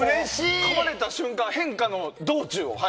かまれた変化の道中を。